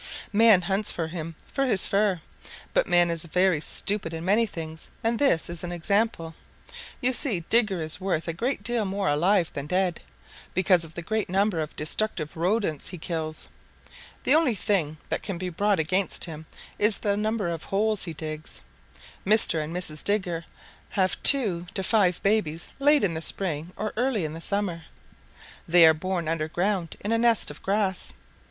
"Man hunts him for his fur, but man is very stupid in many things and this is an example. You see, Digger is worth a great deal more alive than dead, because of the great number of destructive Rodents he kills. The only thing that can be brought against him is the number of holes he digs. Mr. and Mrs. Digger have two to five babies late in the spring or early in the summer. They are born under ground in a nest of grass.